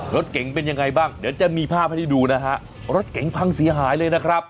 รถเก๋งเป็นยังไงบ้างเดี๋ยวจะมีภาพให้ได้ดูนะฮะรถเก๋งพังเสียหายเลยนะครับ